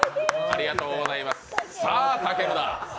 さあ、たけるだ。